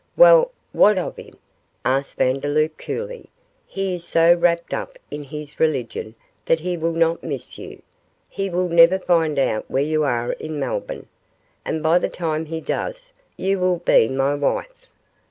'Well, what of him?' asked Vandeloup, coolly; 'he is so wrapped up in his religion that he will not miss you; he will never find out where you are in Melbourne, and by the time he does you will be my wife.